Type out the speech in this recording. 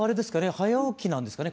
早起きなんですかね？